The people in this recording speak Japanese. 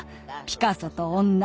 「ピカソと女」